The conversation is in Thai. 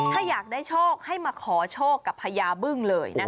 ถ้าอยากได้โชคให้มาขอโชคกับพญาบึ้งเลยนะคะ